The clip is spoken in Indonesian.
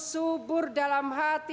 subur dalam hati